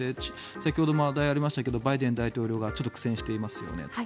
先ほども話題がありましたけどバイデン大統領がちょっと苦戦していますよね。